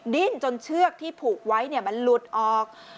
ดิ้นจนเชือกที่ผูกไว้มันหลุดออก